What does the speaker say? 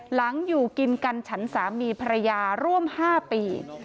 อยู่กินกันฉันสามีภรรยาร่วม๕ปี